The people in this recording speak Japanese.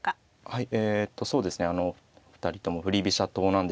はい。